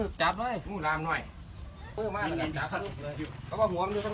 เขาบอกว่าหัวมันอยู่ทั้ง